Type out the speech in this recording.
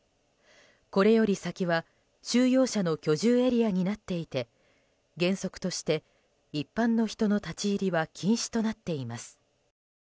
これより先は収容者の居住エリアになっていて原則として、一般の人の立ち入りは禁止となっています。